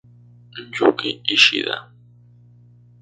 Yuki Ishida